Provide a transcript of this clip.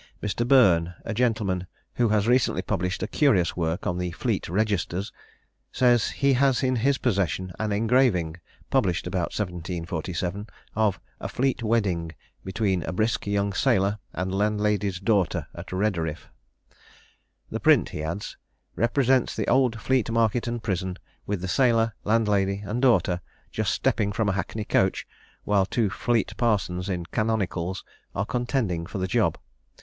Mr. Burn, a gentleman who has recently published a curious work on the Fleet Registers, says he has in his possession an engraving (published about 1747) of "A Fleet Wedding between a brisk young Sailor and Landlady's daughter at Rederiff." "The print," he adds, "represents the old Fleet market and prison, with the sailor, landlady, and daughter, just stepping from a hackney coach, while two Fleet parsons in canonicals are contending for the job.